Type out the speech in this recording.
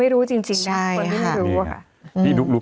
ไม่ต้องมาขอโทษกู